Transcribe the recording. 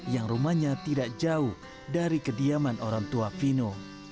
yang rumahnya tidak jauh dari kediaman orang tua vino